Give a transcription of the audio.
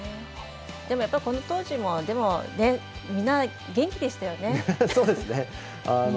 でもやっぱり、この当時もみんな元気でしたよね。